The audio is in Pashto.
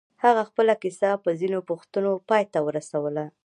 هغه خپله کيسه په ځينو پوښتنو پای ته ورسوله.